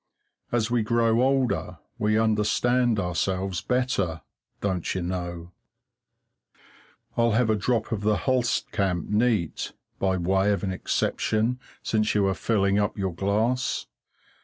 As we grow older we understand ourselves better, don't you know? I'll have a drop of the Hulstkamp neat, by way of an exception, since you are filling up your glass.